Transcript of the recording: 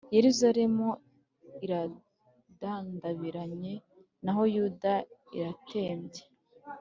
Yeruzalemu iradandabiranye, naho Yuda iratembye.